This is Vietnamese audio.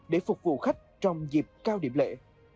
để phục vụ khách trong dịp cao điểm lệ